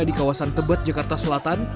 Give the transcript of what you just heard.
di kawasan tebet jakarta selatan